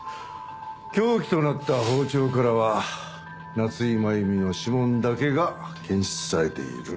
凶器となった包丁からは夏井真弓の指紋だけが検出されている。